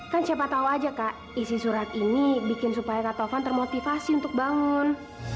kan siapa tahu aja kak isi surat ini bikin supaya kak taufan termotivasi untuk bangun